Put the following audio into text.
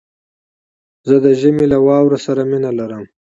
زه د ژمي له واورو سره مينه لرم